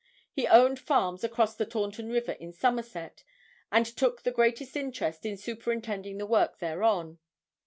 He owned farms across the Taunton river in Somerset and took the greatest interest in superintending the work thereon.